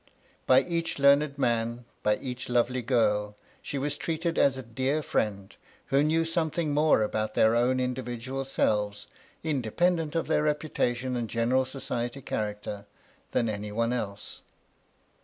By each learned man, by each lovely girl, she was treated as a dear friend, who knew something more about their own in dividual selves, independent of their reputation and general society character, than any one else.